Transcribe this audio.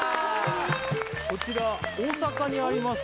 こちら大阪にあります